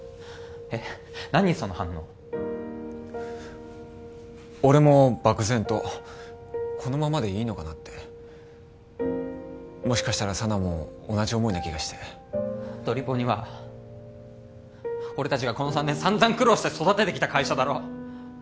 えっ何その反応俺も漠然とこのままでいいのかなってもしかしたら佐奈も同じ思いな気がしてドリポニは俺達がこの３年さんざん苦労して育ててきた会社だろ？